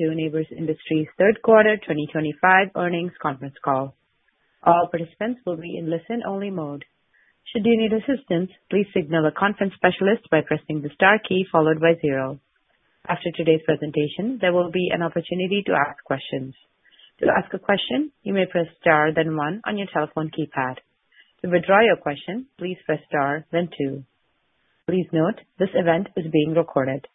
To Nabors Industries' third quarter 2025 earnings conference call. All participants will be in listen-only mode. Should you need assistance, please signal a conference specialist by pressing the star key followed by zero. After today's presentation, there will be an opportunity to ask questions. To ask a question, you may press star then one on your telephone keypad. To withdraw your question, please press star then two. Please note, this event is being recorded.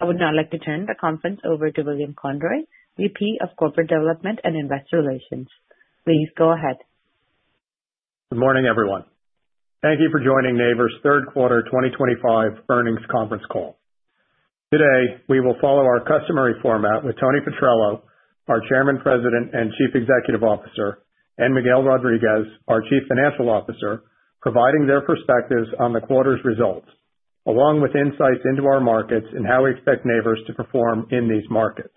I would now like to turn the conference over to William Conroy, VP of Corporate Development and Investor Relations. Please go ahead. Good morning, everyone. Thank you for joining Nabors' third quarter 2025 earnings conference call. Today, we will follow our customary format with Tony Petrello, our Chairman-President and Chief Executive Officer, and Miguel Rodriguez, our Chief Financial Officer, providing their perspectives on the quarter's results, along with insights into our markets and how we expect Nabors to perform in these markets.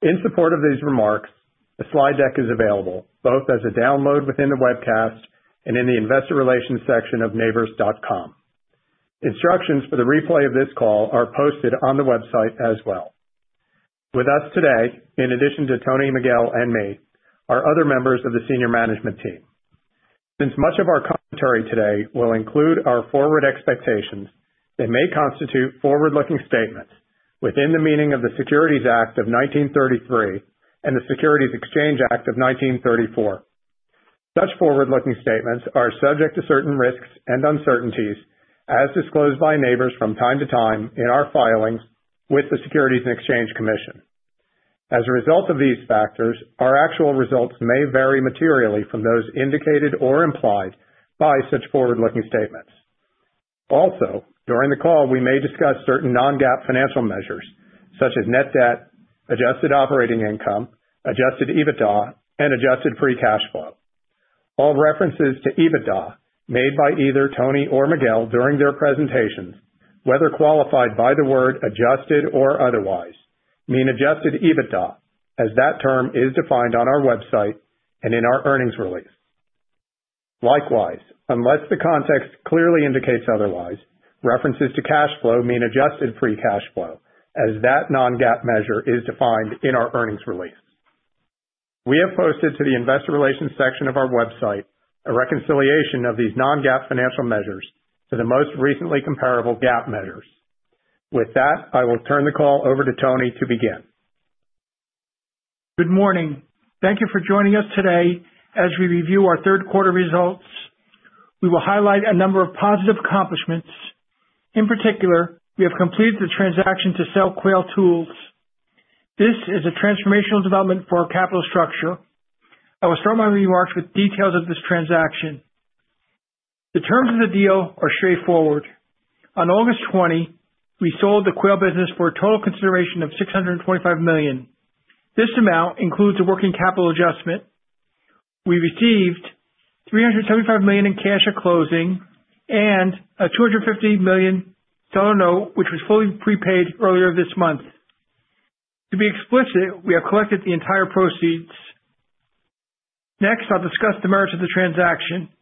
In support of these remarks, the slide deck is available both as a download within the webcast and in the investor relations section of nabors.com. Instructions for the replay of this call are posted on the website as well. With us today, in addition to Tony, Miguel, and me, are other members of the senior management team. Since much of our commentary today will include our forward expectations, they may constitute forward-looking statements within the meaning of the Securities Act of 1933 and the Securities Exchange Act of 1934. Such forward-looking statements are subject to certain risks and uncertainties, as disclosed by Nabors from time to time in our filings with the Securities and Exchange Commission. As a result of these factors, our actual results may vary materially from those indicated or implied by such forward-looking statements. Also, during the call, we may discuss certain non-GAAP financial measures, such as net debt, adjusted operating income, adjusted EBITDA, and adjusted free cash flow. All references to EBITDA made by either Tony or Miguel during their presentations, whether qualified by the word adjusted or otherwise, mean adjusted EBITDA, as that term is defined on our website and in our earnings release. Likewise, unless the context clearly indicates otherwise, references to cash flow mean adjusted free cash flow, as that non-GAAP measure is defined in our earnings release. We have posted to the investor relations section of our website a reconciliation of these non-GAAP financial measures to the most recently comparable GAAP measures. With that, I will turn the call over to Tony to begin. Good morning. Thank you for joining us today as we review our third quarter results. We will highlight a number of positive accomplishments. In particular, we have completed the transaction to sell Quail Tools. This is a transformational development for our capital structure. I will start my remarks with details of this transaction. The terms of the deal are straightforward. On August 20, we sold the Quail business for a total consideration of $625 million. This amount includes a working capital adjustment. We received $375 million in cash at closing and a $250 million seller note, which was fully prepaid earlier this month. To be explicit, we have collected the entire proceeds. Next, I'll discuss the merits of the transaction.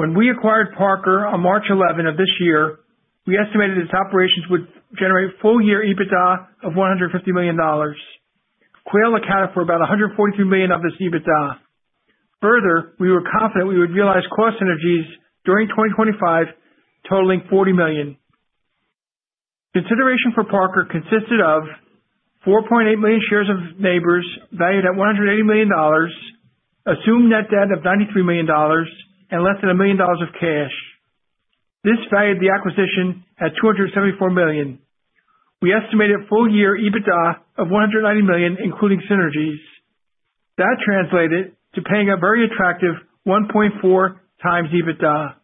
When we acquired Parker on March 11 of this year, we estimated its operations would generate full-year EBITDA of $150 million. Quail accounted for about $143 million of this EBITDA. Further, we were confident we would realize cost synergies during 2025, totaling $40 million. Consideration for Parker consisted of 4.8 million shares of Nabors valued at $180 million, assumed net debt of $93 million, and less than $1 million of cash. This valued the acquisition at $274 million. We estimated full-year EBITDA of $190 million, including synergies. That translated to paying a very attractive 1.4x EBITDA.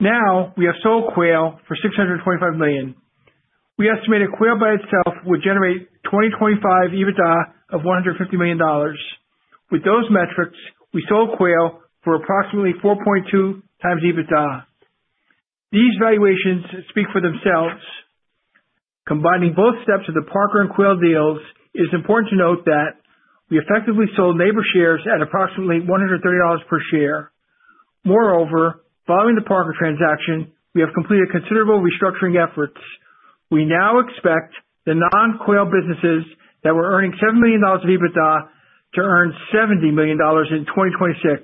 Now, we have sold Quail for $625 million. We estimated Quail by itself would generate 2025 EBITDA of $150 million. With those metrics, we sold Quail for approximately 4.2x EBITDA. These valuations speak for themselves. Combining both steps of the Parker and Quail deals, it is important to note that we effectively sold Nabors shares at approximately $130 per share. Moreover, following the Parker transaction, we have completed considerable restructuring efforts. We now expect the non-Quail businesses that were earning $7 million of EBITDA to earn $70 million in 2026.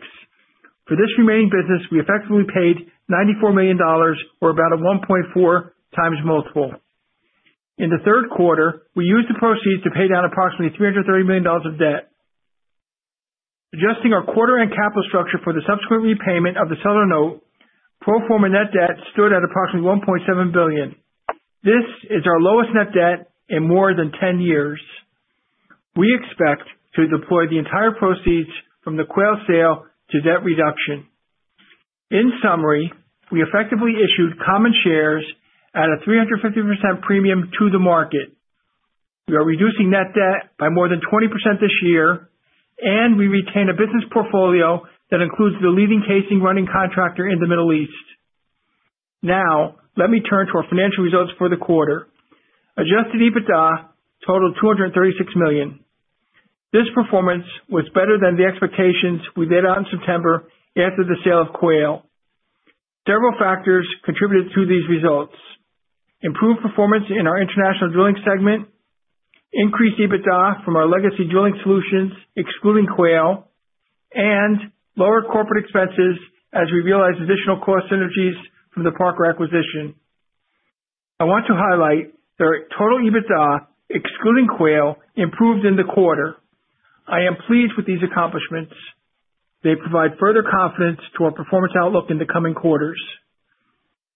For this remaining business, we effectively paid $94 million, or about a 1.4x multiple. In the third quarter, we used the proceeds to pay down approximately $330 million of debt. Adjusting our quarter-end capital structure for the subsequent repayment of the seller note, pro forma net debt stood at approximately $1.7 billion. This is our lowest net debt in more than 10 years. We expect to deploy the entire proceeds from the Quail sale to debt reduction. In summary, we effectively issued common shares at a 350% premium to the market. We are reducing net debt by more than 20% this year, and we retain a business portfolio that includes the leading casing running contractor in the Middle East. Now, let me turn to our financial results for the quarter. Adjusted EBITDA totaled $236 million. This performance was better than the expectations we laid out in September after the sale of Quail. Several factors contributed to these results: improved performance in our international drilling segment, increased EBITDA from our legacy drilling solutions, excluding Quail, and lower corporate expenses as we realized additional cost synergies from the Parker acquisition. I want to highlight that our total EBITDA, excluding Quail, improved in the quarter. I am pleased with these accomplishments. They provide further confidence to our performance outlook in the coming quarters.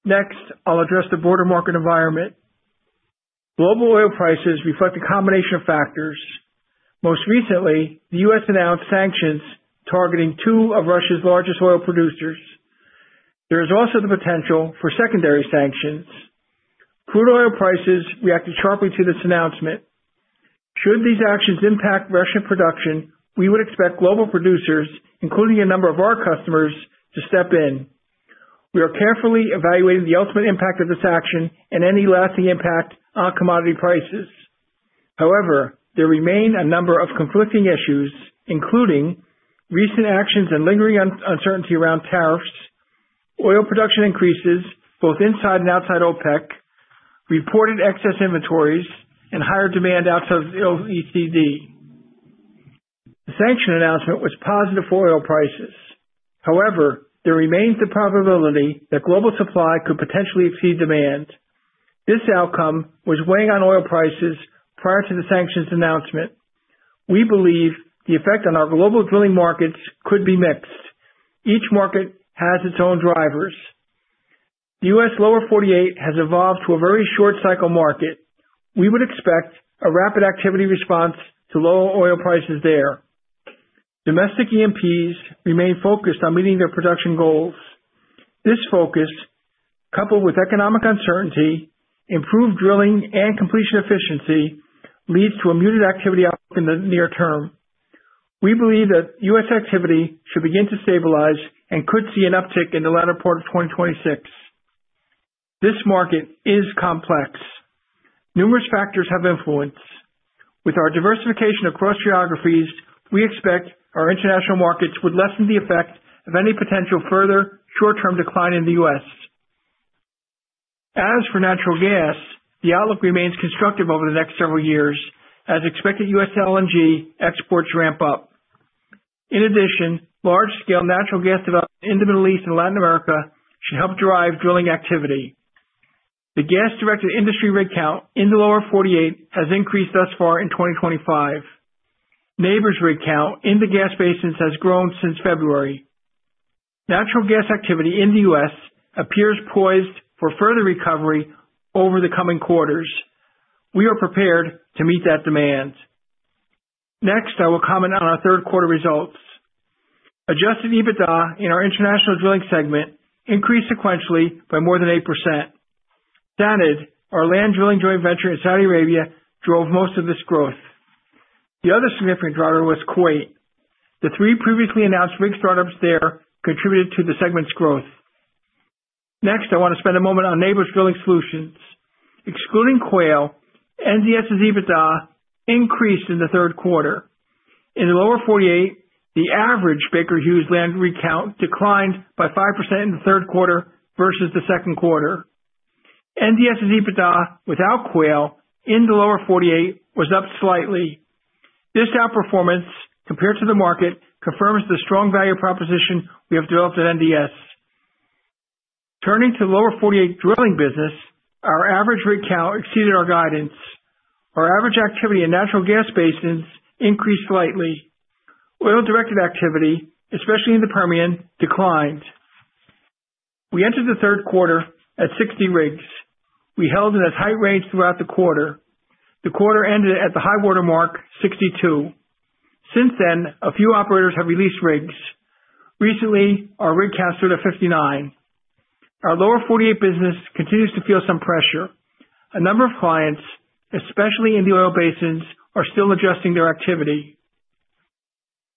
Next, I'll address the broader market environment. Global oil prices reflect a combination of factors. Most recently, the U.S. announced sanctions targeting two of Russia's largest oil producers. There is also the potential for secondary sanctions. Crude oil prices reacted sharply to this announcement. Should these actions impact Russian production, we would expect global producers, including a number of our customers, to step in. We are carefully evaluating the ultimate impact of this action and any lasting impact on commodity prices. However, there remain a number of conflicting issues, including recent actions and lingering uncertainty around tariffs, oil production increases both inside and outside OPEC, reported excess inventories, and higher demand outside of the OECD. The sanction announcement was positive for oil prices. However, there remains the probability that global supply could potentially exceed demand. This outcome was weighing on oil prices prior to the sanctions announcement. We believe the effect on our global drilling markets could be mixed. Each market has its own drivers. The U.S. Lower 48 has evolved to a very short-cycle market. We would expect a rapid activity response to lower oil prices there. Domestic E&Ps remain focused on meeting their production goals. This focus, coupled with economic uncertainty, improved drilling, and completion efficiency, leads to a muted activity outlook in the near term. We believe that U.S. activity should begin to stabilize and could see an uptick in the latter part of 2026. This market is complex. Numerous factors have influence. With our diversification across geographies, we expect our international markets would lessen the effect of any potential further short-term decline in the U.S. As for natural gas, the outlook remains constructive over the next several years as expected U.S. LNG exports ramp up. In addition, large-scale natural gas development in the Middle East and Latin America should help drive drilling activity. The gas-directed industry rig count in the Lower 48 has increased thus far in 2025. Nabors rig count in the gas basins has grown since February. Natural gas activity in the U.S. appears poised for further recovery over the coming quarters. We are prepared to meet that demand. Next, I will comment on our third quarter results. Adjusted EBITDA in our international drilling segment increased sequentially by more than 8%. Sanad, our land drilling joint venture in Saudi Arabia, drove most of this growth. The other significant driver was Kuwait. The three previously announced rig startups there contributed to the segment's growth. Next, I want to spend a moment on Nabors Drilling Solutions. Excluding Quail, NDS's EBITDA increased in the third quarter. In the lower 48, the average Baker Hughes land rig count declined by 5% in the third quarter versus the second quarter. NDS's EBITDA without Quail in the lower 48 was up slightly. This outperformance compared to the market confirms the strong value proposition we have developed at NDS. Turning to the Lower 48 drilling business, our average rig count exceeded our guidance. Our average activity in natural gas basins increased slightly. Oil-directed activity, especially in the Permian, declined. We entered the third quarter at 60 rigs. We held in a tight range throughout the quarter. The quarter ended at the high watermark, 62. Since then, a few operators have released rigs. Recently, our rig count stood at 59. Our Lower 48 business continues to feel some pressure. A number of clients, especially in the oil basins, are still adjusting their activity.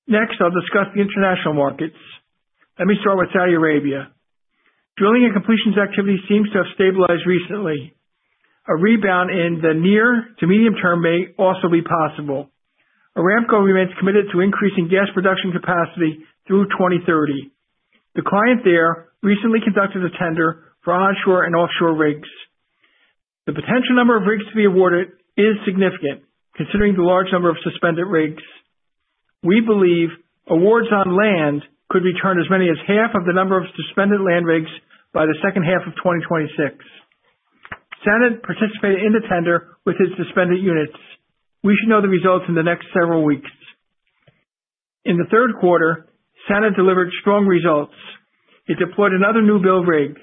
Next, I'll discuss the international markets. Let me start with Saudi Arabia. Drilling and completions activity seems to have stabilized recently. A rebound in the near to medium term may also be possible. Aramco remains committed to increasing gas production capacity through 2030. The client there recently conducted a tender for onshore and offshore rigs. The potential number of rigs to be awarded is significant, considering the large number of suspended rigs. We believe awards on land could return as many as half of the number of suspended land rigs by the second half of 2026. Sanad participated in the tender with its suspended units. We should know the results in the next several weeks. In the third quarter, Sanad delivered strong results. It deployed another new build rig.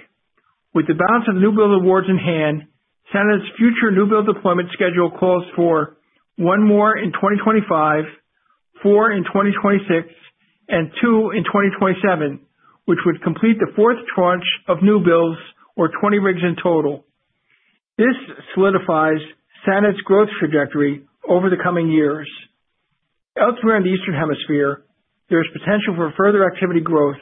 With the balance of the new build awards in hand, Sanad's future new build deployment schedule calls for one more in 2025, four in 2026, and two in 2027, which would complete the fourth tranche of new builds, or 20 rigs in total. This solidifies Sanad's growth trajectory over the coming years. Elsewhere in the Eastern Hemisphere, there is potential for further activity growth.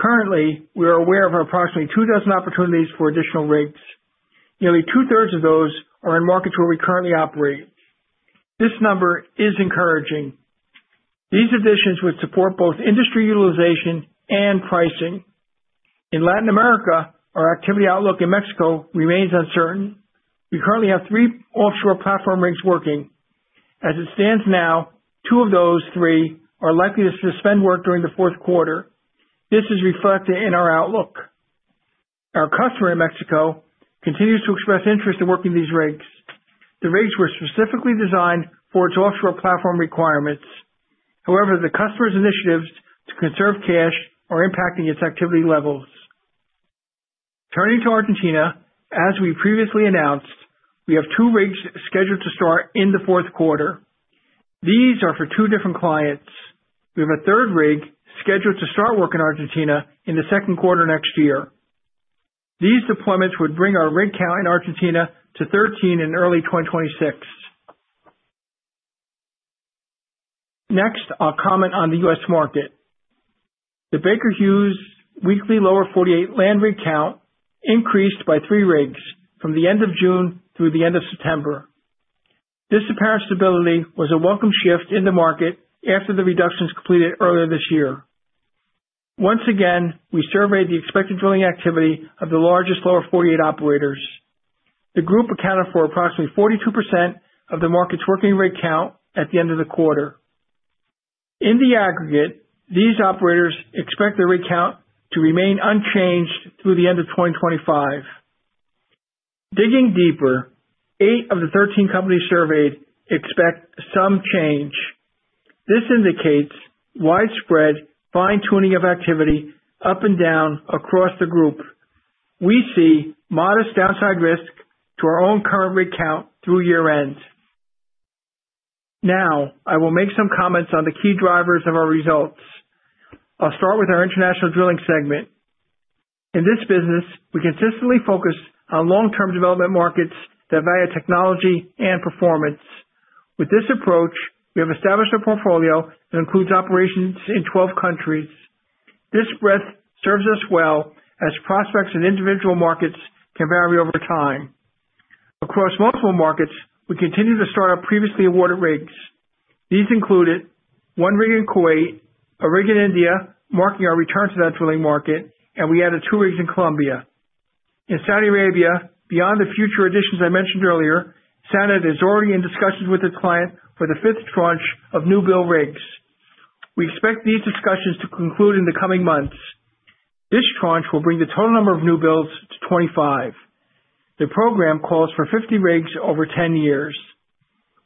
Currently, we are aware of approximately 2,000 opportunities for additional rigs. Nearly two-thirds of those are in markets where we currently operate. This number is encouraging. These additions would support both industry utilization and pricing. In Latin America, our activity outlook in Mexico remains uncertain. We currently have three offshore platform rigs working. As it stands now, two of those three are likely to suspend work during the fourth quarter. This is reflected in our outlook. Our customer in Mexico continues to express interest in working these rigs. The rigs were specifically designed for its offshore platform requirements. However, the customer's initiatives to conserve cash are impacting its activity levels. Turning to Argentina, as we previously announced, we have two rigs scheduled to start in the fourth quarter. These are for two different clients. We have a third rig scheduled to start work in Argentina in the second quarter next year. These deployments would bring our rig count in Argentina to 13 in early 2026. Next, I'll comment on the U.S. market. The Baker Hughes weekly Lower 48 land rig count increased by three rigs from the end of June through the end of September. This apparent stability was a welcome shift in the market after the reductions completed earlier this year. Once again, we surveyed the expected drilling activity of the largest Lower 48 operators. The group accounted for approximately 42% of the market's working rig count at the end of the quarter. In the aggregate, these operators expect the rig count to remain unchanged through the end of 2025. Digging deeper, eight of the 13 companies surveyed expect some change. This indicates widespread fine-tuning of activity up and down across the group. We see modest downside risk to our own current rig count through year-end. Now, I will make some comments on the key drivers of our results. I'll start with our international drilling segment. In this business, we consistently focus on long-term development markets that value technology and performance. With this approach, we have established a portfolio that includes operations in 12 countries. This breadth serves us well as prospects in individual markets can vary over time. Across multiple markets, we continue to start our previously awarded rigs. These included one rig in Kuwait, a rig in India marking our return to that drilling market, and we added two rigs in Colombia. In Saudi Arabia, beyond the future additions I mentioned earlier, Sanad is already in discussions with its client for the fifth tranche of new build rigs. We expect these discussions to conclude in the coming months. This tranche will bring the total number of new builds to 25. The program calls for 50 rigs over 10 years.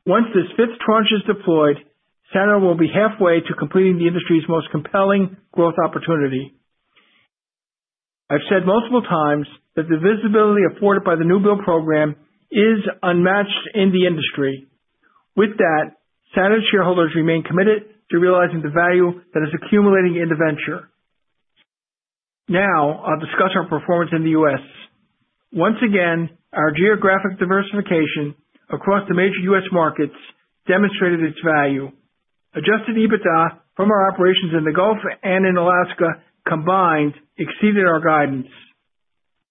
Once this fifth tranche is deployed, Sanad will be halfway to completing the industry's most compelling growth opportunity. I've said multiple times that the visibility afforded by the new build program is unmatched in the industry. With that, Sanad's shareholders remain committed to realizing the value that is accumulating in the venture. Now, I'll discuss our performance in the U.S. Once again, our geographic diversification across the major U.S. markets demonstrated its value. Adjusted EBITDA from our operations in the Gulf and in Alaska combined exceeded our guidance.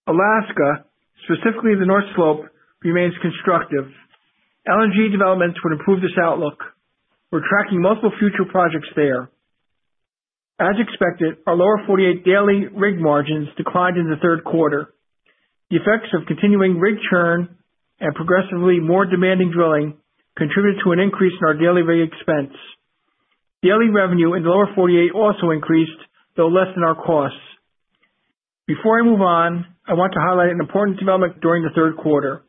Alaska, specifically the North Slope, remains constructive. LNG developments would improve this outlook. We're tracking multiple future projects there. As expected, our Lower 48 daily rig margins declined in the third quarter. The effects of continuing rig churn and progressively more demanding drilling contributed to an increase in our daily rig expense. Daily revenue in the Lower 48 also increased, though less than our costs. Before I move on, I want to highlight an important development during the third quarter.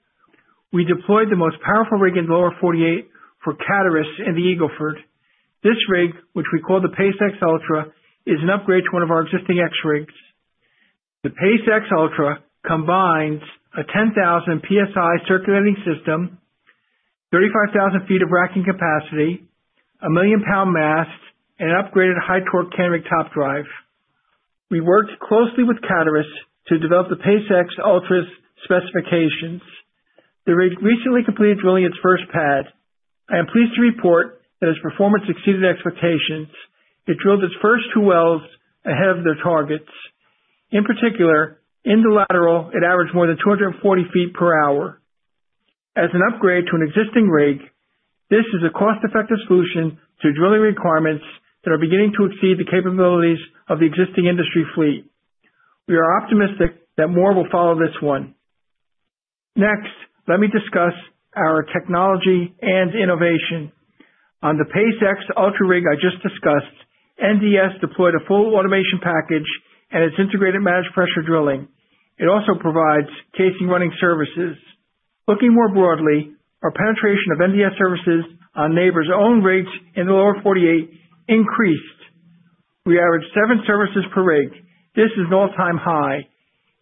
We deployed the most powerful rig in the Lower 48 for Coterra in the Eagle Ford. This rig, which we call the PACE-X Ultra, is an upgrade to one of our existing X rigs. The PACE-X Ultra combines a 10,000 PSI circulating system, 35,000 feet of racking capacity, a million-pound mast, and an upgraded high-torque Canrig top drive. We worked closely with Coterra to develop the PACE-X Ultra's specifications. The rig recently completed drilling its first pad. I am pleased to report that its performance exceeded expectations. It drilled its first two wells ahead of their targets. In particular, in the lateral, it averaged more than 240 feet per hour. As an upgrade to an existing rig, this is a cost-effective solution to drilling requirements that are beginning to exceed the capabilities of the existing industry fleet. We are optimistic that more will follow this one. Next, let me discuss our technology and innovation. On the PACE-X Ultra rig I just discussed, NDS deployed a full automation package and its integrated managed pressure drilling. It also provides casing running services. Looking more broadly, our penetration of NDS services on Nabors' own rigs in the Lower 48 increased. We averaged seven services per rig. This is an all-time high,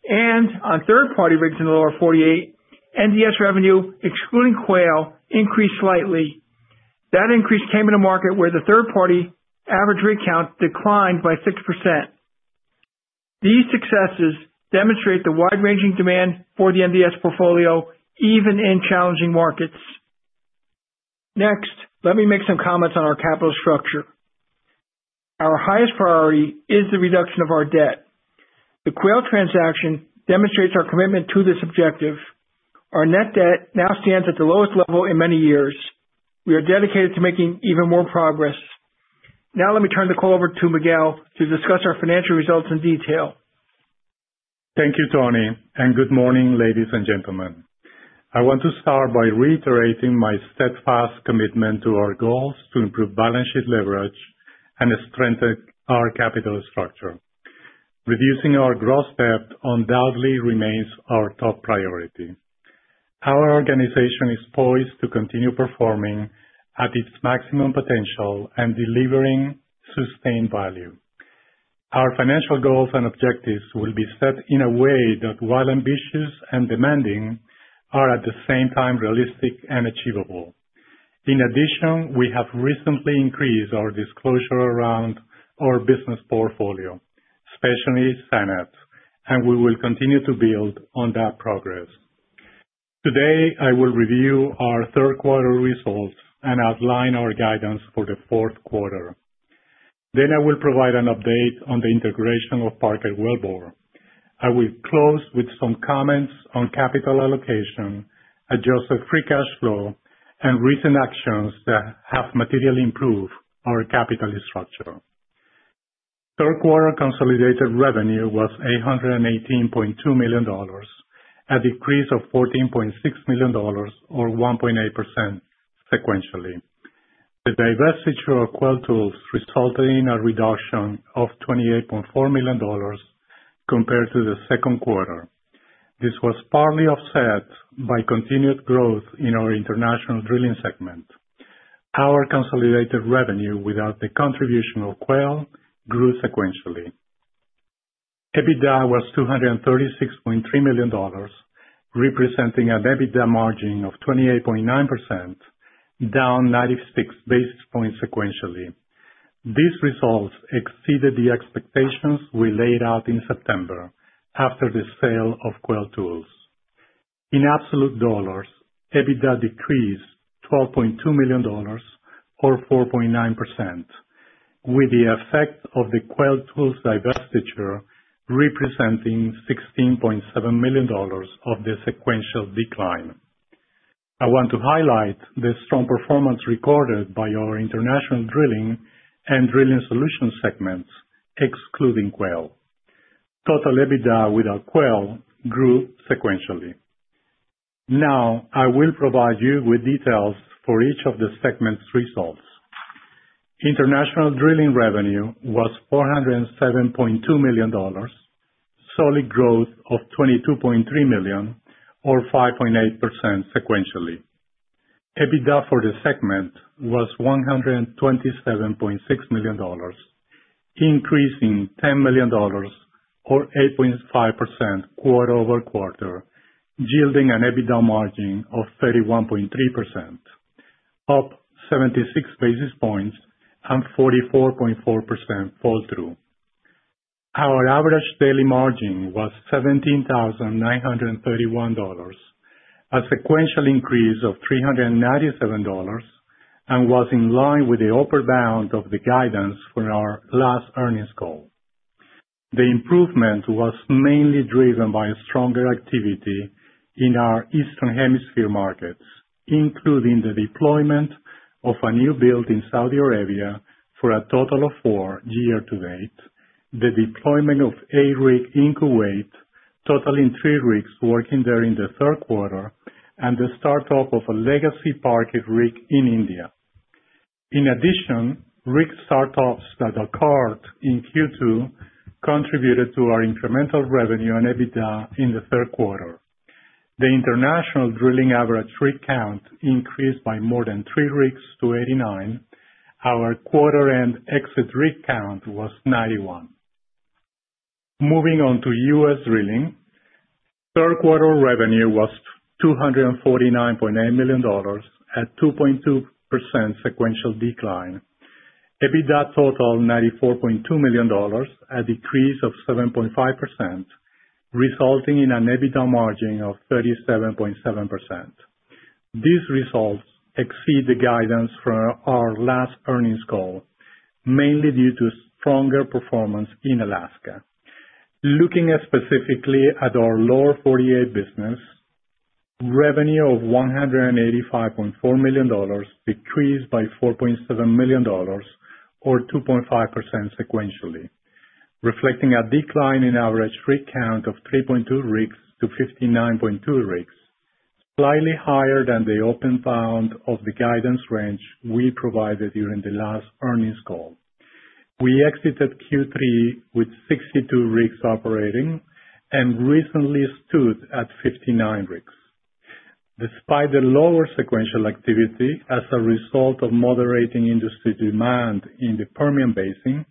and on third-party rigs in the Lower 48, NDS revenue, excluding Quail, increased slightly. That increase came in a market where the third-party average rig count declined by 6%. These successes demonstrate the wide-ranging demand for the NDS portfolio even in challenging markets. Next, let me make some comments on our capital structure. Our highest priority is the reduction of our debt. The Quail transaction demonstrates our commitment to this objective. Our net debt now stands at the lowest level in many years. We are dedicated to making even more progress. Now, let me turn the call over to Miguel to discuss our financial results in detail. Thank you, Tony, and good morning, ladies and gentlemen. I want to start by reiterating my steadfast commitment to our goals to improve balance sheet leverage and strengthen our capital structure. Reducing our gross debt undoubtedly remains our top priority. Our organization is poised to continue performing at its maximum potential and delivering sustained value. Our financial goals and objectives will be set in a way that, while ambitious and demanding, are at the same time realistic and achievable. In addition, we have recently increased our disclosure around our business portfolio, especially Sanad, and we will continue to build on that progress. Today, I will review our third-quarter results and outline our guidance for the fourth quarter. Then, I will provide an update on the integration of Parker Wellbore. I will close with some comments on capital allocation, adjusted free cash flow, and recent actions that have materially improved our capital structure. Third-quarter consolidated revenue was $818.2 million, a decrease of $14.6 million, or 1.8%, sequentially. The divestiture of Quail Tools resulted in a reduction of $28.4 million compared to the second quarter. This was partly offset by continued growth in our international drilling segment. Our consolidated revenue, without the contribution of Quail Tools, grew sequentially. EBITDA was $236.3 million, representing an EBITDA margin of 28.9%, down 96 basis points sequentially. These results exceeded the expectations we laid out in September after the sale of Quail Tools. In absolute dollars, EBITDA decreased $12.2 million, or 4.9%, with the effect of the Quail Tools' divestiture representing $16.7 million of the sequential decline. I want to highlight the strong performance recorded by our international drilling and drilling solution segments, excluding Quail. Total EBITDA without Quail grew sequentially. Now, I will provide you with details for each of the segments' results. International drilling revenue was $407.2 million, solid growth of $22.3 million, or 5.8%, sequentially. EBITDA for the segment was $127.6 million, increasing $10 million, or 8.5%, quarter over quarter, yielding an EBITDA margin of 31.3%, up 76 basis points and 44.4% flow-through. Our average daily margin was $17,931, a sequential increase of $397, and was in line with the upper bound of the guidance for our last earnings call. The improvement was mainly driven by stronger activity in our Eastern Hemisphere markets, including the deployment of a new build in Saudi Arabia for a total of four year-to-date, the deployment of a rig in Kuwait totaling three rigs working there in the third quarter, and the startup of a legacy Parker rig in India. In addition, rig startups that occurred in Q2 contributed to our incremental revenue and EBITDA in the third quarter. The international drilling average rig count increased by more than three rigs to 89. Our quarter-end exit rig count was 91. Moving on to U.S. drilling, third-quarter revenue was $249.8 million, a 2.2% sequential decline. EBITDA totaled $94.2 million, a decrease of 7.5%, resulting in an EBITDA margin of 37.7%. These results exceed the guidance from our last earnings call, mainly due to stronger performance in Alaska. Looking specifically at our Lower 48 business, revenue of $185.4 million decreased by $4.7 million, or 2.5% sequentially, reflecting a decline in average rig count of 3.2 rigs to 59.2 rigs, slightly higher than the lower bound of the guidance range we provided during the last earnings call. We exited Q3 with 62 rigs operating and recently stood at 59 rigs. Despite the lower sequential activity as a result of moderating industry demand in the Permian Basin,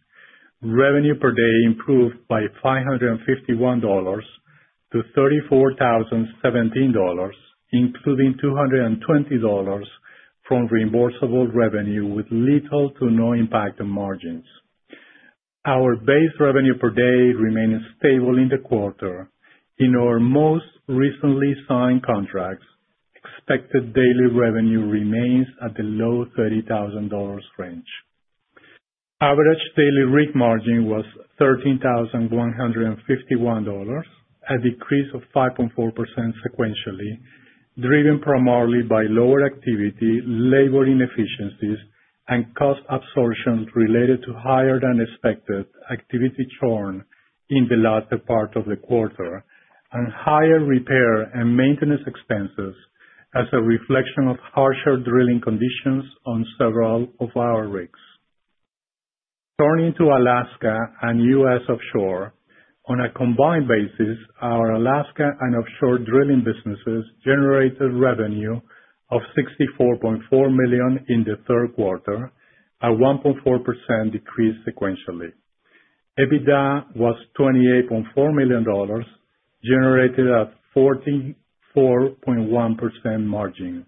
revenue per day improved by $551 to $34,017, including $220 from reimbursable revenue with little to no impact on margins. Our base revenue per day remained stable in the quarter. In our most recently signed contracts, expected daily revenue remains at the low $30,000 range. Average daily rig margin was $13,151, a decrease of 5.4% sequentially, driven primarily by lower activity, labor inefficiencies, and cost absorption related to higher-than-expected activity churn in the latter part of the quarter, and higher repair and maintenance expenses as a reflection of harsher drilling conditions on several of our rigs. Turning to Alaska and U.S. offshore, on a combined basis, our Alaska and offshore drilling businesses generated revenue of $64.4 million in the third quarter, a 1.4% decrease sequentially. EBITDA was $28.4 million, generated at 44.1% margin,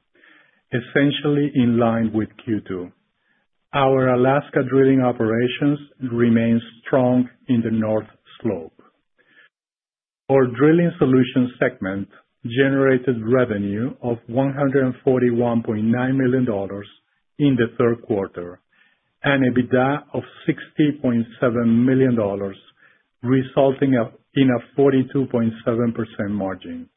essentially in line with Q2. Our Alaska drilling operations remain strong in the North Slope. Our drilling solution segment generated revenue of $141.9 million in the third quarter and EBITDA of $60.7 million, resulting in a 42.7% margin.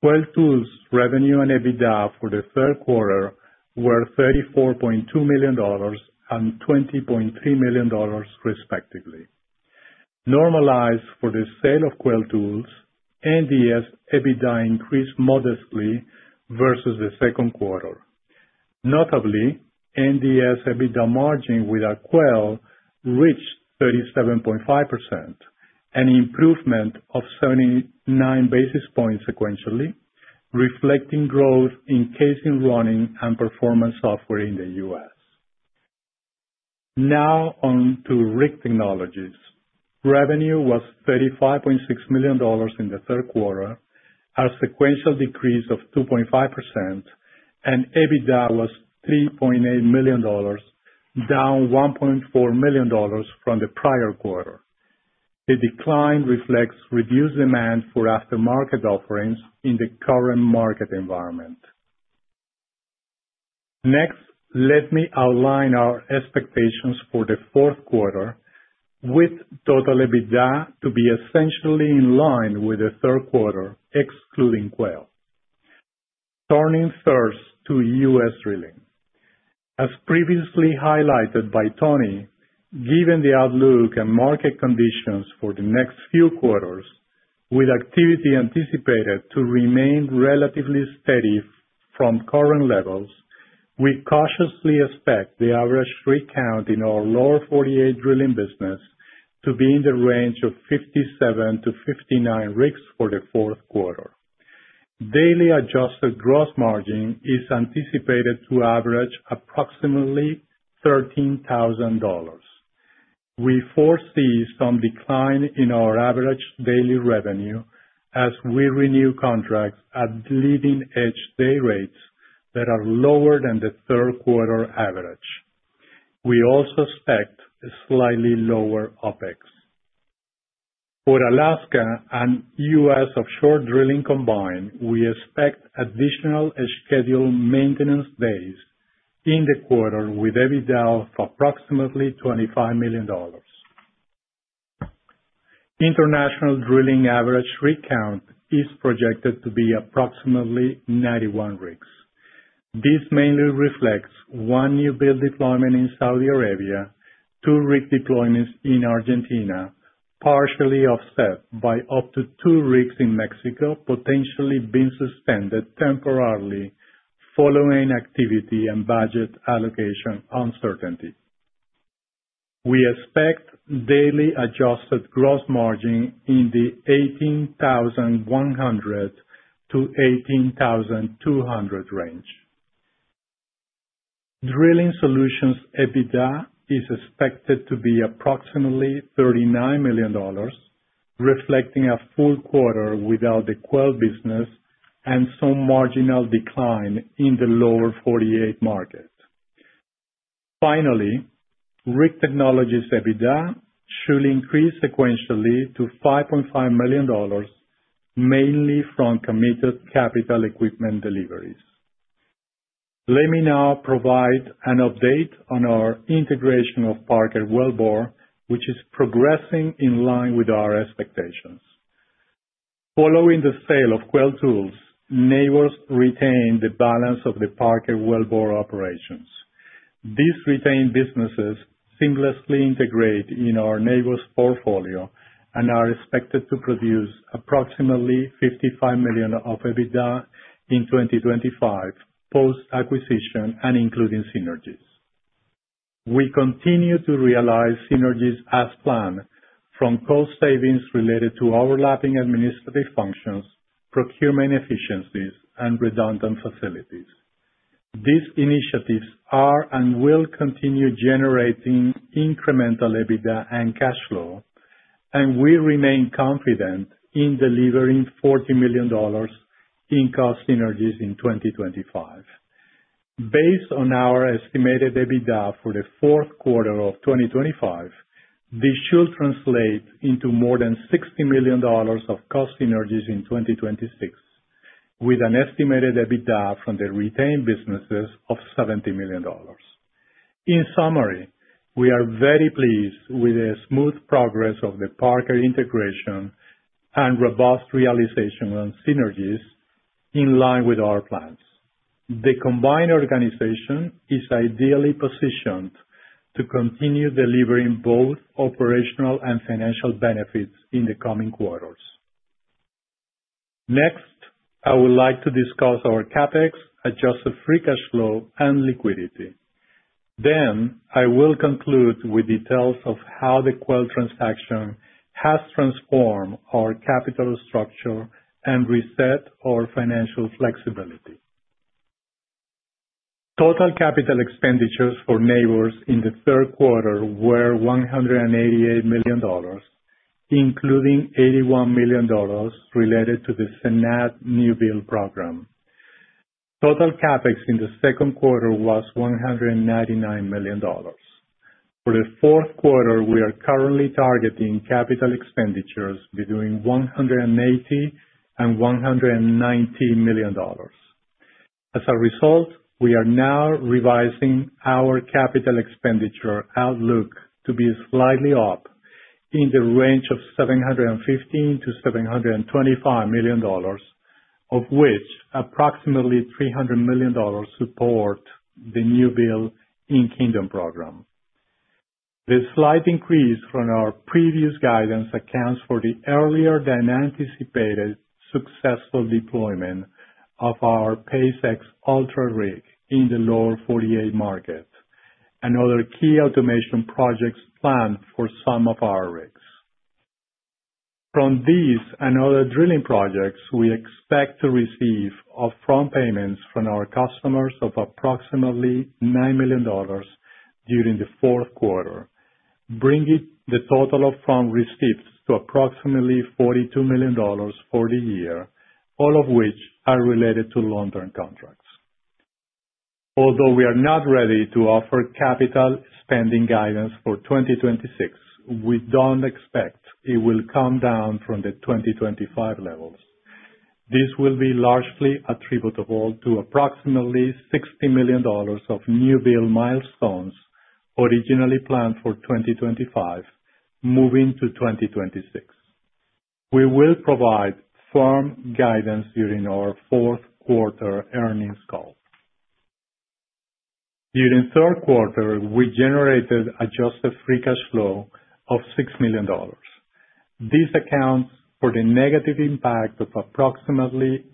Quail Tools revenue and EBITDA for the third quarter were $34.2 million and $20.3 million, respectively. Normalized for the sale of Quail Tools, NDS EBITDA increased modestly versus the second quarter. Notably, NDS EBITDA margin without Quail reached 37.5%, an improvement of 79 basis points sequentially, reflecting growth in casing running and performance software in the U.S. Now, on to Rig Technologies. Revenue was $35.6 million in the third quarter, a sequential decrease of 2.5%, and EBITDA was $3.8 million, down $1.4 million from the prior quarter. The decline reflects reduced demand for aftermarket offerings in the current market environment. Next, let me outline our expectations for the fourth quarter, with total EBITDA to be essentially in line with the third quarter, excluding Quail. Turning first to U.S. drilling. As previously highlighted by Tony, given the outlook and market conditions for the next few quarters, with activity anticipated to remain relatively steady from current levels, we cautiously expect the average rig count in our Lower 48 drilling business to be in the range of 57-59 rigs for the fourth quarter. Daily adjusted gross margin is anticipated to average approximately $13,000. We foresee some decline in our average daily revenue as we renew contracts at leading-edge day rates that are lower than the third-quarter average. We also expect slightly lower OpEx. For Alaska and U.S. offshore drilling combined, we expect additional scheduled maintenance days in the quarter with EBITDA of approximately $25 million. International drilling average rig count is projected to be approximately 91 rigs. This mainly reflects one new build deployment in Saudi Arabia, two rig deployments in Argentina, partially offset by up to two rigs in Mexico potentially being suspended temporarily following activity and budget allocation uncertainty. We expect daily adjusted gross margin in the $18,100-$18,200 range. Drilling solutions EBITDA is expected to be approximately $39 million, reflecting a full quarter without the Quail business and some marginal decline in the Lower 48 market. Finally, Rig Technologies EBITDA should increase sequentially to $5.5 million, mainly from committed capital equipment deliveries. Let me now provide an update on our integration of Parker Wellbore, which is progressing in line with our expectations. Following the sale of Quail Tools, Nabors retained the balance of the Parker Wellbore operations. These retained businesses seamlessly integrate in our Nabors' portfolio and are expected to produce approximately $55 million of EBITDA in 2025 post-acquisition and including synergies. We continue to realize synergies as planned from cost savings related to overlapping administrative functions, procurement efficiencies, and redundant facilities. These initiatives are and will continue generating incremental EBITDA and cash flow, and we remain confident in delivering $40 million in cost synergies in 2025. Based on our estimated EBITDA for the fourth quarter of 2025, this should translate into more than $60 million of cost synergies in 2026, with an estimated EBITDA from the retained businesses of $70 million. In summary, we are very pleased with the smooth progress of the Parker integration and robust realization on synergies in line with our plans. The combined organization is ideally positioned to continue delivering both operational and financial benefits in the coming quarters. Next, I would like to discuss our CapEx, adjusted free cash flow, and liquidity. Then, I will conclude with details of how the Quail transaction has transformed our capital structure and reset our financial flexibility. Total capital expenditures for Nabors in the third quarter were $188 million, including $81 million related to the Sanad new build program. Total CapEx in the second quarter was $199 million. For the fourth quarter, we are currently targeting capital expenditures between $180 and $190 million. As a result, we are now revising our capital expenditure outlook to be slightly up in the range of $715 million-$725 million, of which approximately $300 million supports the new build in Kingdom program. The slight increase from our previous guidance accounts for the earlier than anticipated successful deployment of our PACE-X Ultra rig in the Lower 48 market and other key automation projects planned for some of our rigs. From these and other drilling projects, we expect to receive upfront payments from our customers of approximately $9 million during the fourth quarter, bringing the total upfront receipts to approximately $42 million for the year, all of which are related to long-term contracts. Although we are not ready to offer capital spending guidance for 2026, we don't expect it will come down from the 2025 levels. This will be largely attributable to approximately $60 million of new build milestones originally planned for 2025 moving to 2026. We will provide firm guidance during our fourth quarter earnings call. During third quarter, we generated adjusted free cash flow of $6 million. This accounts for the negative impact of approximately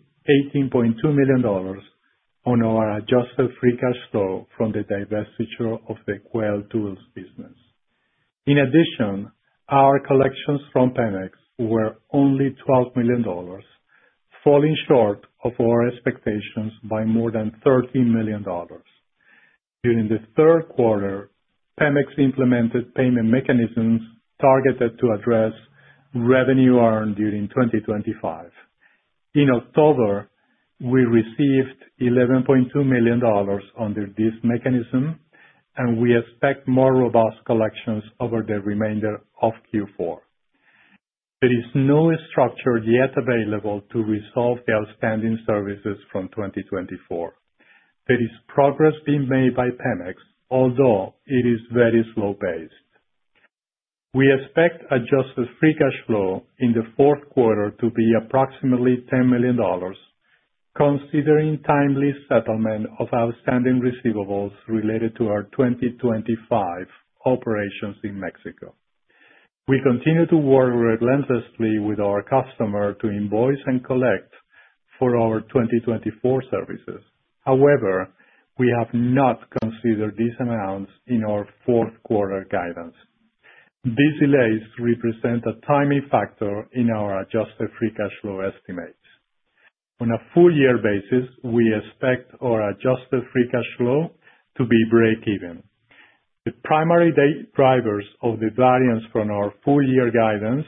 $18.2 million on our adjusted free cash flow from the divestiture of the Quail Tools business. In addition, our collections from PEMEX were only $12 million, falling short of our expectations by more than $30 million. During the third quarter, PEMEX implemented payment mechanisms targeted to address revenue earned during 2025. In October, we received $11.2 million under this mechanism, and we expect more robust collections over the remainder of Q4. There is no structure yet available to resolve the outstanding services from 2024. There is progress being made by PEMEX, although it is very slow-paced. We expect adjusted free cash flow in the fourth quarter to be approximately $10 million, considering timely settlement of outstanding receivables related to our 2025 operations in Mexico. We continue to work relentlessly with our customer to invoice and collect for our 2024 services. However, we have not considered these amounts in our fourth quarter guidance. These delays represent a timing factor in our adjusted free cash flow estimates. On a full-year basis, we expect our adjusted free cash flow to be break-even. The primary drivers of the variance from our full-year guidance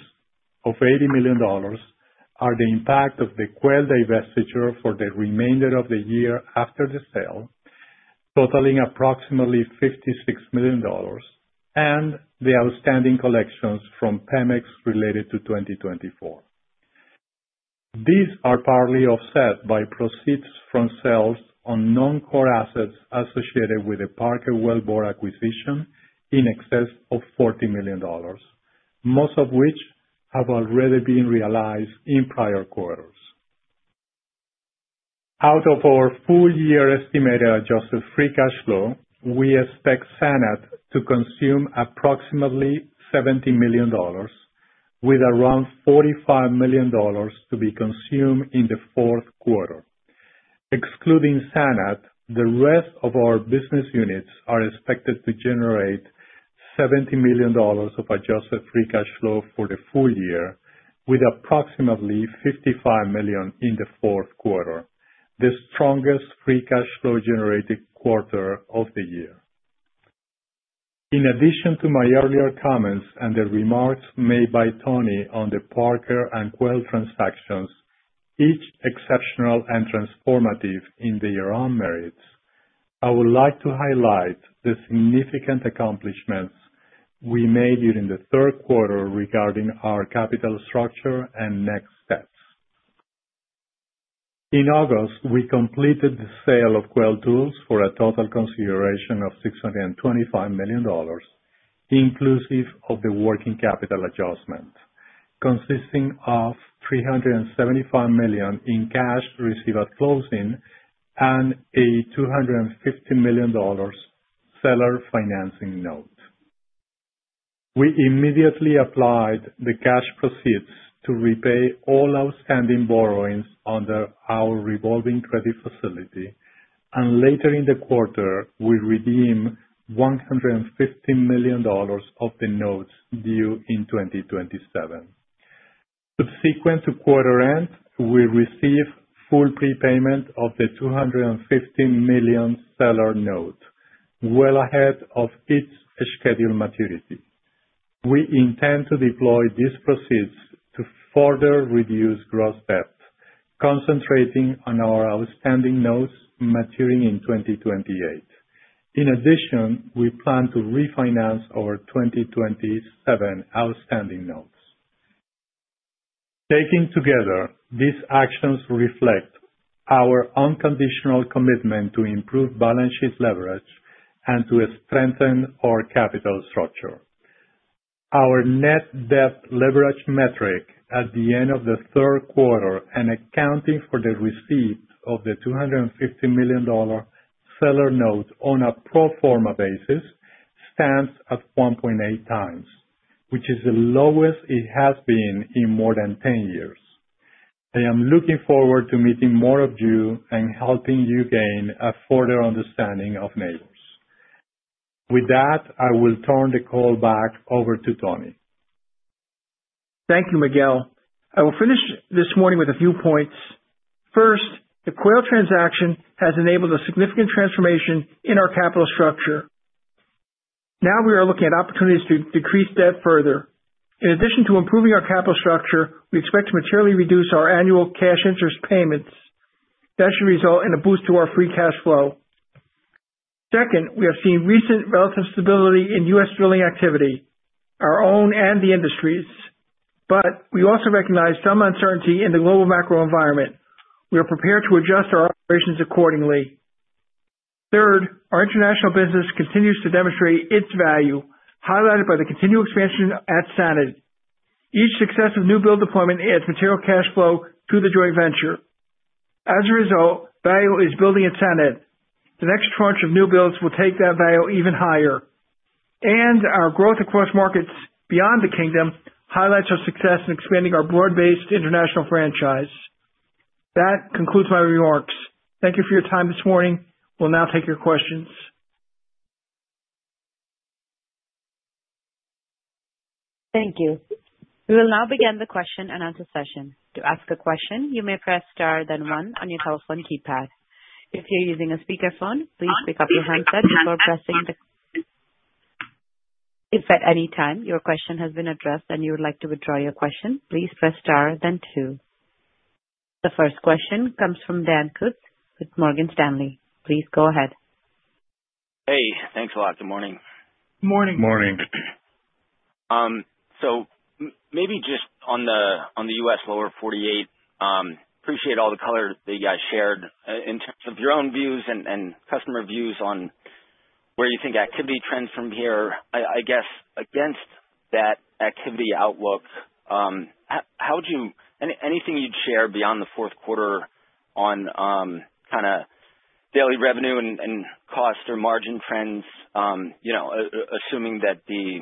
of $80 million are the impact of the Quail divestiture for the remainder of the year after the sale, totaling approximately $56 million, and the outstanding collections from PEMEX related to 2024. These are partly offset by proceeds from sales on non-core assets associated with the Parker Wellbore acquisition in excess of $40 million, most of which have already been realized in prior quarters. Out of our full-year estimated adjusted free cash flow, we expect Sanad to consume approximately $70 million, with around $45 million to be consumed in the fourth quarter. Excluding Sanad, the rest of our business units are expected to generate $70 million of adjusted free cash flow for the full year, with approximately $55 million in the fourth quarter, the strongest free cash flow-generated quarter of the year. In addition to my earlier comments and the remarks made by Tony on the Parker and Quail transactions, each exceptional and transformative in their own merits, I would like to highlight the significant accomplishments we made during the third quarter regarding our capital structure and next steps. In August, we completed the sale of Quail Tools for a total consideration of $625 million, inclusive of the working capital adjustment, consisting of $375 million in cash received at closing and a $250 million seller financing note. We immediately applied the cash proceeds to repay all outstanding borrowings under our revolving credit facility, and later in the quarter, we redeemed $150 million of the notes due in 2027. Subsequent to quarter end, we received full prepayment of the $250 million seller note, well ahead of its scheduled maturity. We intend to deploy these proceeds to further reduce gross debt, concentrating on our outstanding notes maturing in 2028. In addition, we plan to refinance our 2027 outstanding notes. Taken together, these actions reflect our unconditional commitment to improve balance sheet leverage and to strengthen our capital structure. Our net debt leverage metric at the end of the third quarter, and accounting for the receipt of the $250 million seller note on a pro forma basis, stands at 1.8x, which is the lowest it has been in more than 10 years. I am looking forward to meeting more of you and helping you gain a further understanding of Nabors. With that, I will turn the call back over to Tony. Thank you, Miguel. I will finish this morning with a few points. First, the Quail transaction has enabled a significant transformation in our capital structure. Now, we are looking at opportunities to decrease debt further. In addition to improving our capital structure, we expect to materially reduce our annual cash interest payments. That should result in a boost to our free cash flow. Second, we have seen recent relative stability in U.S. drilling activity, our own and the industry's, but we also recognize some uncertainty in the global macro environment. We are prepared to adjust our operations accordingly. Third, our international business continues to demonstrate its value, highlighted by the continued expansion at Sanad. Each successive new build deployment adds material cash flow to the joint venture. As a result, value is building at Sanad. The next tranche of new builds will take that value even higher. And our growth across markets beyond the Kingdom highlights our success in expanding our broad-based international franchise. That concludes my remarks. Thank you for your time this morning. We'll now take your questions. Thank you. We will now begin the question and answer session. To ask a question, you may press star then one on your telephone keypad. If you're using a speakerphone, please pick up your handset before pressing the. If at any time your question has been addressed and you would like to withdraw your question, please press star then two. The first question comes from Dan Kutz with Morgan Stanley. Please go ahead. Hey. Thanks a lot. Good morning. Good morning. Good morning. So maybe just on the U.S. Lower 48, appreciate all the color that you guys shared in terms of your own views and customer views on where you think activity trends from here. I guess against that activity outlook, how would you, anything you'd share beyond the fourth quarter on kind of daily revenue and cost or margin trends, assuming that the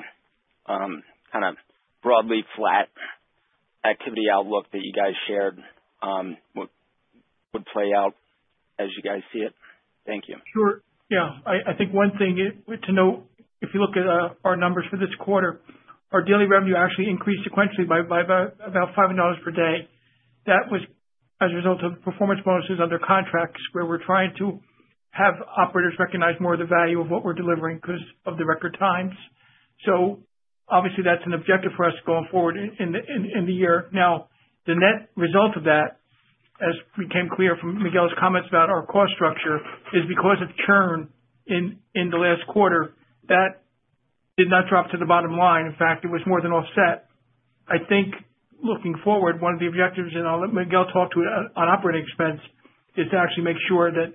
kind of broadly flat activity outlook that you guys shared would play out as you guys see it? Thank you. Sure. Yeah. I think one thing to note, if you look at our numbers for this quarter, our daily revenue actually increased sequentially by about $5 per day. That was as a result of performance bonuses under contracts where we're trying to have operators recognize more of the value of what we're delivering because of the record times. So obviously, that's an objective for us going forward in the year. Now, the net result of that, as became clear from Miguel's comments about our cost structure, is because of churn in the last quarter. That did not drop to the bottom line. In fact, it was more than offset. I think looking forward, one of the objectives, and I'll let Miguel talk to it on operating expense, is to actually make sure that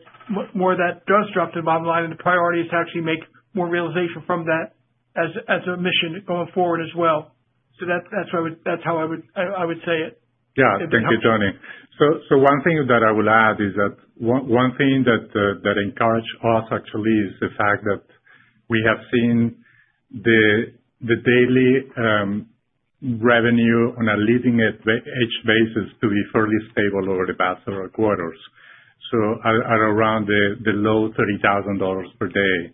more of that does drop to the bottom line, and the priority is to actually make more realization from that as a mission going forward as well. So that's how I would say it. Yeah. Thank you, Tony. So, one thing that I would add is that one thing that encourages us actually is the fact that we have seen the daily revenue on a leading-edge basis to be fairly stable over the past several quarters, so at around the low $30,000 per day.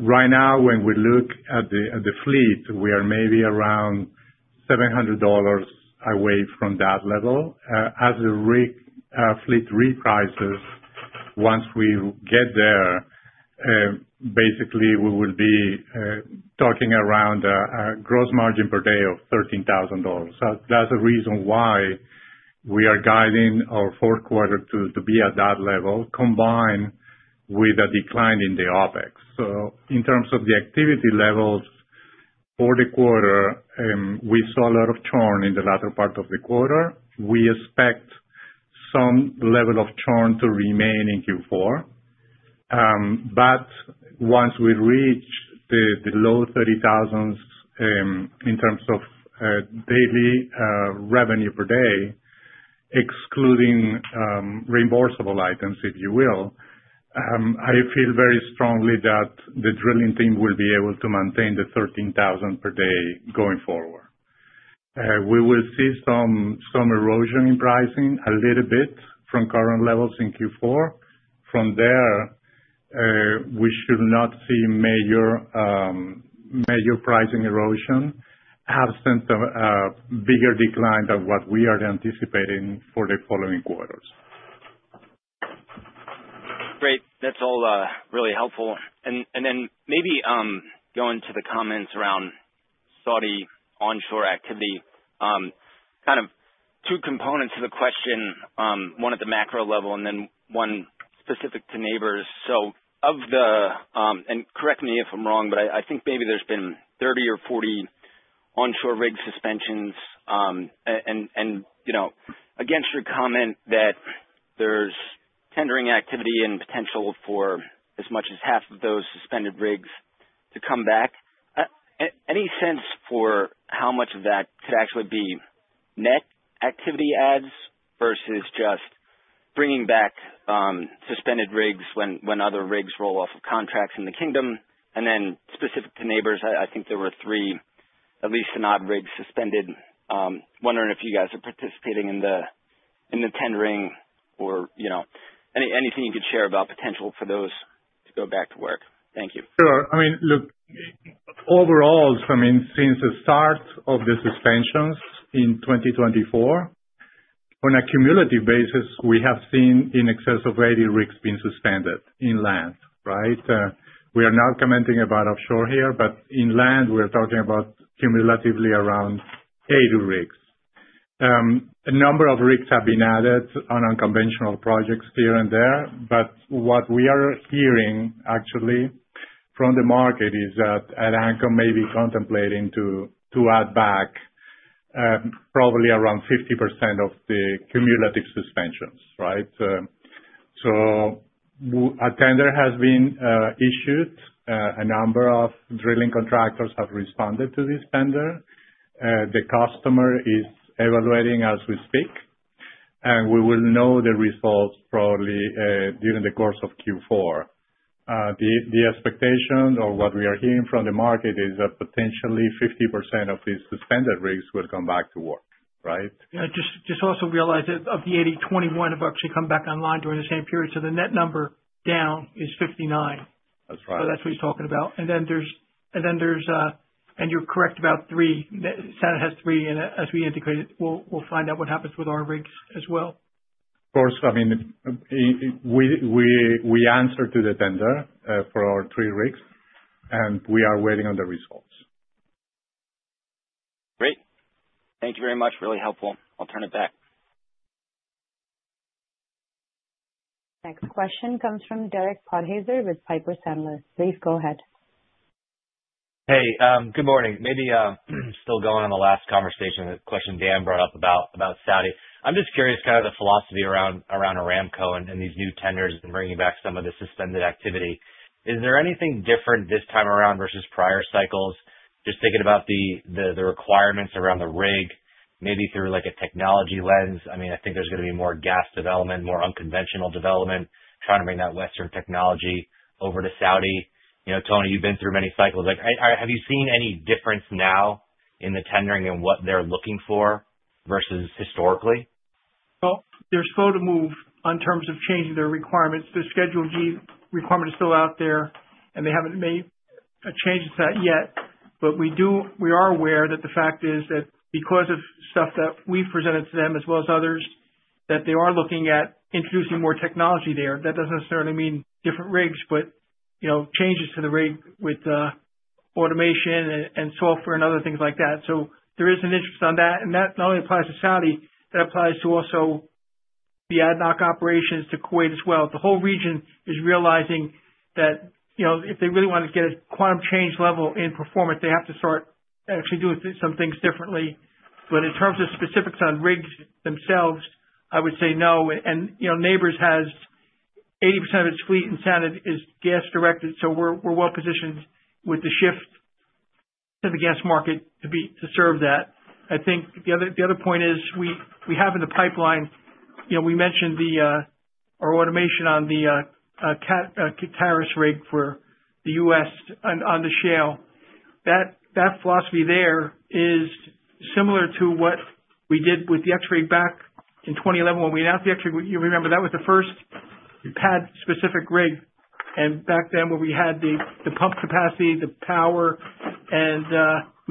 Right now, when we look at the fleet, we are maybe around $700 away from that level. As the fleet reprices, once we get there, basically, we will be talking around a gross margin per day of $13,000. So that's the reason why we are guiding our fourth quarter to be at that level combined with a decline in the OpEx. So in terms of the activity levels for the quarter, we saw a lot of churn in the latter part of the quarter. We expect some level of churn to remain in Q4. But once we reach the low $30,000s in terms of daily revenue per day, excluding reimbursable items, if you will, I feel very strongly that the drilling team will be able to maintain the $13,000 per day going forward. We will see some erosion in pricing a little bit from current levels in Q4. From there, we should not see major pricing erosion absent a bigger decline than what we are anticipating for the following quarters. Great. That's all really helpful. And then maybe going to the comments around Saudi onshore activity, kind of two components to the question, one at the macro level and then one specific to Nabors. So of the, and correct me if I'm wrong, but I think maybe there's been 30 or 40 onshore rig suspensions. Against your comment that there's tendering activity and potential for as much as half of those suspended rigs to come back, any sense for how much of that could actually be net activity adds versus just bringing back suspended rigs when other rigs roll off of contracts in the Kingdom? And then specific to Nabors, I think there were three, at least an odd rig suspended. Wondering if you guys are participating in the tendering or anything you could share about potential for those to go back to work. Thank you. Sure. I mean, look, overall, I mean, since the start of the suspensions in 2024, on a cumulative basis, we have seen in excess of 80 rigs being suspended in land, right? We are not commenting about offshore here, but in land, we're talking about cumulatively around 80 rigs. A number of rigs have been added on unconventional projects here and there, but what we are hearing actually from the market is that Aramco may be contemplating to add back probably around 50% of the cumulative suspensions, right? So a tender has been issued. A number of drilling contractors have responded to this tender. The customer is evaluating as we speak, and we will know the results probably during the course of Q4. The expectation or what we are hearing from the market is that potentially 50% of these suspended rigs will come back to work, right? Yeah. Just also realize that of the 80, 21 have actually come back online during the same period, so the net number down is 59. That's right, so that's what he's talking about, and then there's, and you're correct about three. Sanad has three, and as we indicated, we'll find out what happens with our rigs as well. Of course. I mean, we answered to the tender for our three rigs, and we are waiting on the results. Great. Thank you very much. Really helpful. I'll turn it back. Next question comes from Derek Podhaizer with Piper Sandler. Please go ahead. Hey. Good morning. Maybe still going on the last conversation, the question Dan brought up about Saudi. I'm just curious kind of the philosophy around Aramco and these new tenders and bringing back some of the suspended activity. Is there anything different this time around versus prior cycles? Just thinking about the requirements around the rig, maybe through a technology lens. I mean, I think there's going to be more gas development, more unconventional development, trying to bring that Western technology over to Saudi. Tony, you've been through many cycles. Have you seen any difference now in the tendering and what they're looking for versus historically? Well, they're slow to move on terms of changing their requirements. The Schedule G requirement is still out there, and they haven't made a change to that yet. But we are aware that the fact is that because of stuff that we've presented to them as well as others, that they are looking at introducing more technology there. That doesn't necessarily mean different rigs, but changes to the rig with automation and software and other things like that. So there is an interest on that. And that not only applies to Saudi, that applies to also the ADNOC operations to Kuwait as well. The whole region is realizing that if they really want to get a quantum change level in performance, they have to start actually doing some things differently. But in terms of specifics on rigs themselves, I would say no. And Nabors has 80% of its fleet, and Sanad is gas directed. So we're well positioned with the shift to the gas market to serve that. I think the other point is we have in the pipeline, we mentioned our automation on the Canrig's rig for the U.S. on the shale. That philosophy there is similar to what we did with the X-Rig back in 2011 when we announced the X-Rig. You remember that was the first pad-specific rig. And back then, when we had the pump capacity, the power, and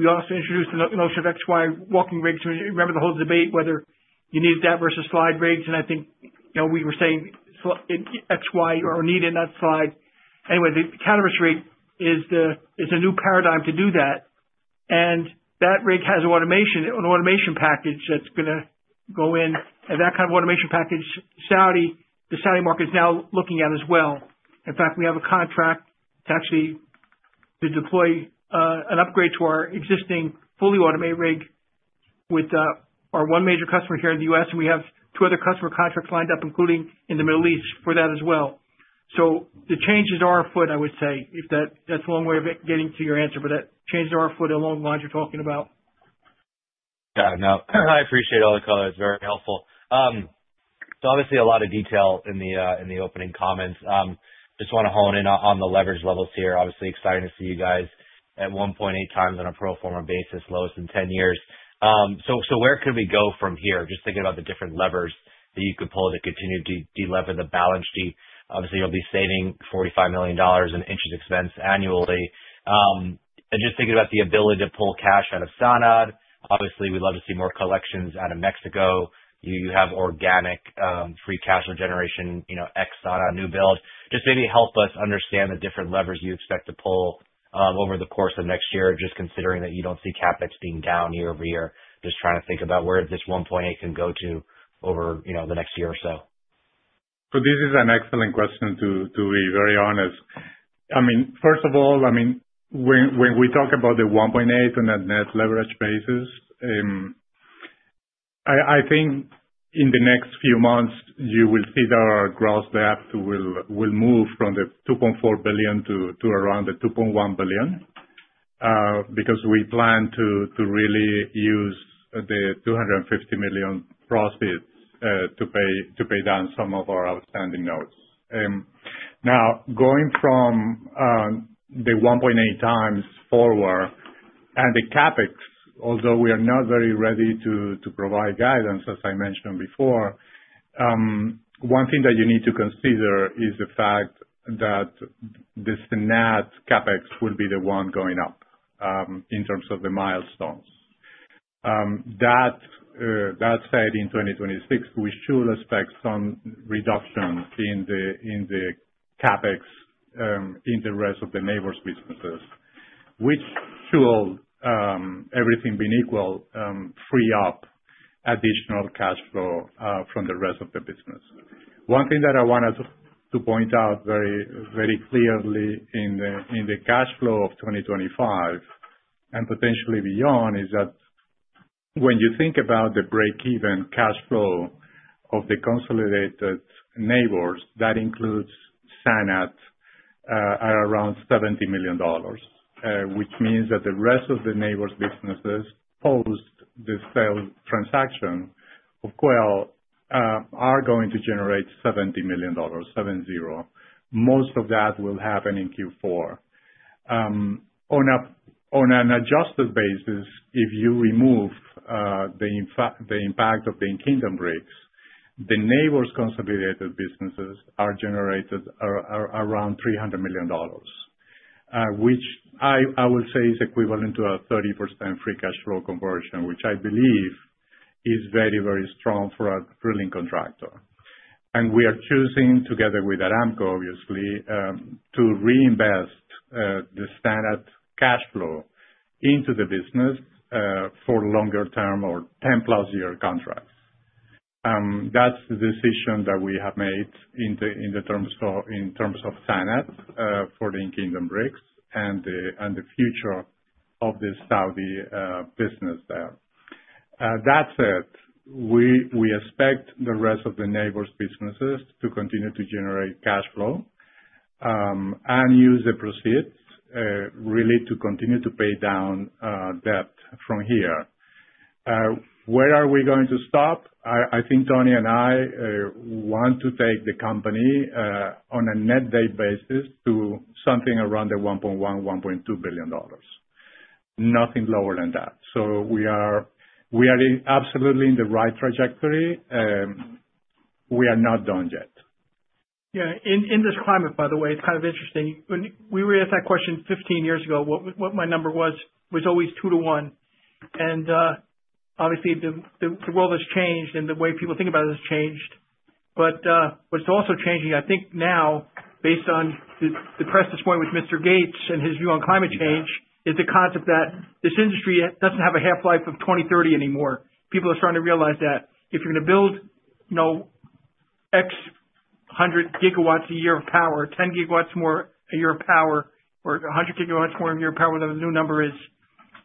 we also introduced the notion of XY walking rigs. Remember the whole debate whether you needed that versus slide rigs. And I think we were saying XY are needed in that slide. Anyway, the Canrig rig is a new paradigm to do that. And that rig has an automation package that's going to go in. And that kind of automation package, Saudi, the Saudi market is now looking at as well. In fact, we have a contract to actually deploy an upgrade to our existing fully automated rig with our one major customer here in the U.S. And we have two other customer contracts lined up, including in the Middle East for that as well. So the changes are afoot, I would say. That's a long way of getting to your answer, but that changes are afoot along the lines you're talking about. Yeah. No. I appreciate all the colors. Very helpful. So obviously, a lot of detail in the opening comments. Just want to hone in on the leverage levels here. Obviously, exciting to see you guys at 1.8x on a pro forma basis, lowest in 10 years. Where could we go from here? Just thinking about the different levers that you could pull to continue to de-lever the balance sheet. Obviously, you'll be saving $45 million in interest expense annually. Just thinking about the ability to pull cash out of Sanad. Obviously, we'd love to see more collections out of Mexico. You have organic free cash generation, ex-Sanad new build. Just maybe help us understand the different levers you expect to pull over the course of next year, just considering that you don't see CapEx being down year-over-year. Just trying to think about where this 1.8 can go to over the next year or so. This is an excellent question to be very honest. I mean, first of all, I mean, when we talk about the 1.8 on a net leverage basis, I think in the next few months, you will see that our gross debt will move from $2.4 billion to around $2.1 billion because we plan to really use the $250 million profits to pay down some of our outstanding notes. Now, going from the 1.8x forward and the CapEx, although we are not very ready to provide guidance, as I mentioned before, one thing that you need to consider is the fact that the Sanad CapEx will be the one going up in terms of the milestones. That said, in 2026, we should expect some reduction in the CapEx in the rest of Nabors' businesses, which should, everything being equal, free up additional cash flow from the rest of the business. One thing that I wanted to point out very clearly in the cash flow of 2025 and potentially beyond is that when you think about the break-even cash flow of the consolidated Nabors, that includes Sanad at around $70 million, which means that the rest of the Nabors' businesses post the sale transaction of Quail are going to generate $70 million, 7-0. Most of that will happen in Q4. On an adjusted basis, if you remove the impact of the Kingdom rigs, the Nabors' consolidated businesses are generated around $300 million, which I would say is equivalent to a 30% free cash flow conversion, which I believe is very, very strong for a drilling contractor, and we are choosing, together with Aramco, obviously, to reinvest the Sanad cash flow into the business for longer-term or 10+ year contracts. That's the decision that we have made in terms of Sanad for the Kingdom rigs and the future of the Saudi business there. That said, we expect the rest of the Nabors' businesses to continue to generate cash flow and use the proceeds really to continue to pay down debt from here. Where are we going to stop? I think Tony and I want to take the company on a net debt basis to something around the $1.1 billion-$1.2 billion. Nothing lower than that. So we are absolutely in the right trajectory. We are not done yet. Yeah. In this climate, by the way, it's kind of interesting. When we were asked that question 15 years ago, what my number was, it was always two to one, and obviously, the world has changed and the way people think about it has changed. But what's also changing, I think now, based on the press this morning with Mr. Gates and his view on climate change, is the concept that this industry doesn't have a half-life of 2030 anymore. People are starting to realize that if you're going to build X hundred gigawatts a year of power, 10 GW more a year of power, or 100 GW more a year of power than the new number is,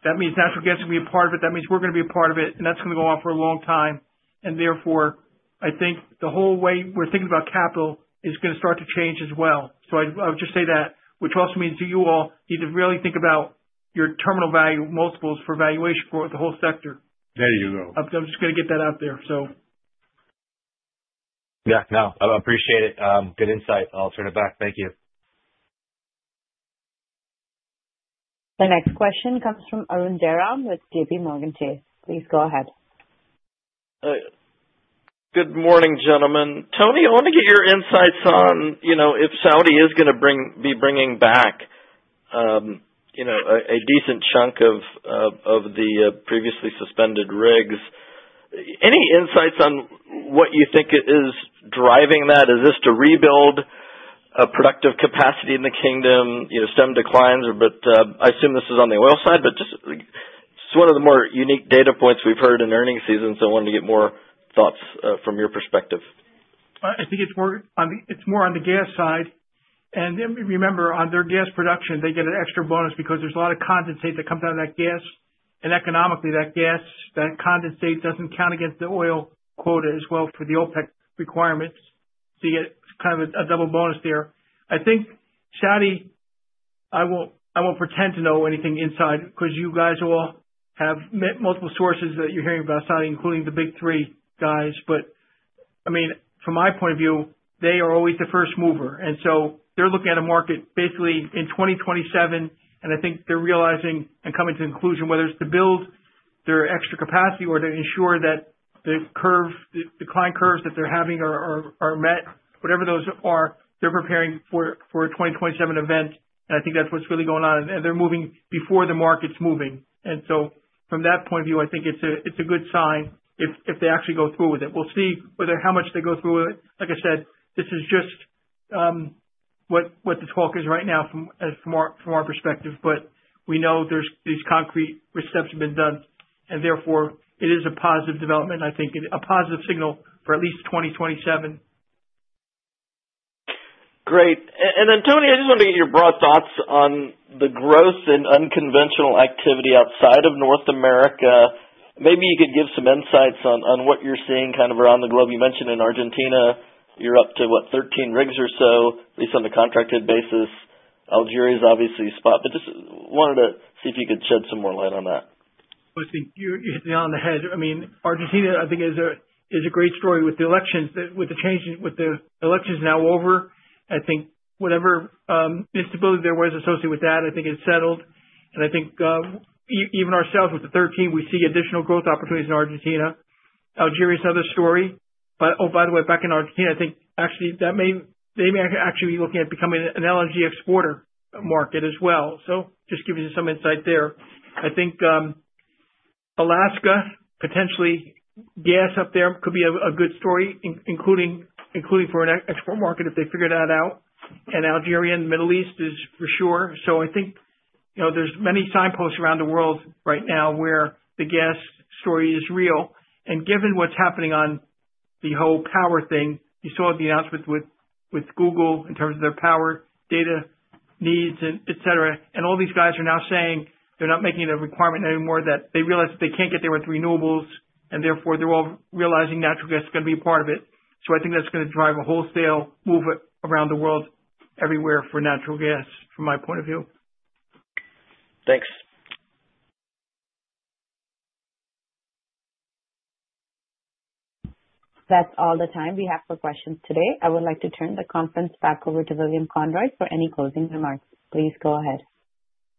that means natural gas will be a part of it. That means we're going to be a part of it, and that's going to go on for a long time. And therefore, I think the whole way we're thinking about capital is going to start to change as well. So I would just say that, which also means you all need to really think about your terminal value multiples for valuation for the whole sector. There you go. I'm just going to get that out there, so. Yeah. No. I appreciate it. Good insight. I'll turn it back. Thank you. The next question comes from Arun Jayaram with JPMorgan Chase. Please go ahead. Good morning, gentlemen. Tony, I want to get your insights on if Saudi is going to be bringing back a decent chunk of the previously suspended rigs. Any insights on what you think is driving that? Is this to rebuild a productive capacity in the Kingdom? Demand declines, but I assume this is on the oil side, but just it's one of the more unique data points we've heard in earnings seasons, so I wanted to get more thoughts from your perspective. I think it's more on the gas side. And remember, on their gas production, they get an extra bonus because there's a lot of condensate that comes out of that gas. And economically, that gas, that condensate doesn't count against the oil quota as well for the OPEC requirements. So you get kind of a double bonus there. I think Saudi, I won't pretend to know anything inside because you guys all have multiple sources that you're hearing about Saudi, including the big three guys. But I mean, from my point of view, they are always the first mover. And so they're looking at a market basically in 2027, and I think they're realizing and coming to the conclusion whether it's to build their extra capacity or to ensure that the decline curves that they're having are met, whatever those are, they're preparing for a 2027 event. And I think that's what's really going on. And they're moving before the market's moving. And so from that point of view, I think it's a good sign if they actually go through with it. We'll see how much they go through with it. Like I said, this is just what the talk is right now from our perspective. But we know these concrete steps have been done. And therefore, it is a positive development, I think, a positive signal for at least 2027. Great. And then, Tony, I just wanted to get your broad thoughts on the growth in unconventional activity outside of North America. Maybe you could give some insights on what you're seeing kind of around the globe. You mentioned in Argentina, you're up to, what, 13 rigs or so, at least on the contracted basis. Algeria is obviously spot. But just wanted to see if you could shed some more light on that. I think you hit me on the head. I mean, Argentina, I think, is a great story with the elections. With the elections now over, I think whatever instability there was associated with that, I think it's settled. And I think even ourselves with the 13, we see additional growth opportunities in Argentina. Algeria is another story. But oh, by the way, back in Argentina, I think actually they may actually be looking at becoming an LNG exporter market as well. So just giving you some insight there. I think Alaska, potentially gas up there could be a good story, including for an export market if they figure that out. And Algeria and the Middle East is for sure. So I think there's many signposts around the world right now where the gas story is real. And given what's happening on the whole power thing, you saw the announcement with Google in terms of their power data needs, etc. And all these guys are now saying they're not making the requirement anymore that they realize that they can't get there with renewables. And therefore, they're all realizing natural gas is going to be a part of it. So I think that's going to drive a wholesale move around the world everywhere for natural gas, from my point of view. Thanks. That's all the time we have for questions today. I would like to turn the conference back over to William Conroy for any closing remarks. Please go ahead.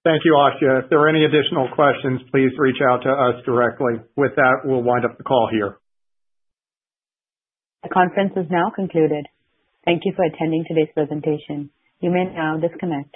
Thank you, Asha. If there are any additional questions, please reach out to us directly. With that, we'll wind up the call here. The conference is now concluded. Thank you for attending today's presentation. You may now disconnect.